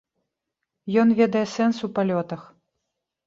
Ён ведае сэнс у палётах.